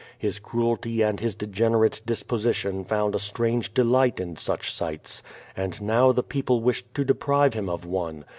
His cruelty and his degenerate disposition found a strange delight in such sights. And now the people wished to deprive him of one.